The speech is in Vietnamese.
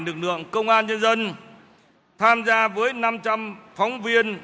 lực lượng công an nhân dân tham gia với năm trăm linh phóng viên